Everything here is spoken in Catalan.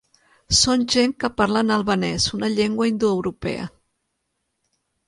Són gent que parlen albanès, una llengua indoeuropea.